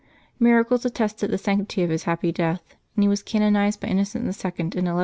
Miracles attested the sanctity of his happy death, and he was canonized bv Innocent II. in 1134.